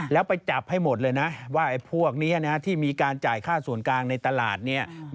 แล้วไปจับให้หมดเลยนะว่าไอ้พวกนี้ที่มีการจ่ายค่าส่วนกลางในตลาดเนี่ย